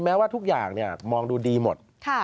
แม้ว่าทุกอย่างมองดูดีหมด